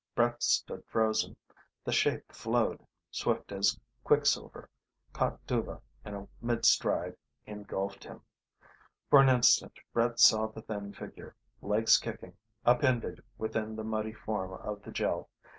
Brett stood frozen. The shape flowed swift as quicksilver caught Dhuva in mid stride, engulfed him. For an instant Brett saw the thin figure, legs kicking, upended within the muddy form of the Gel.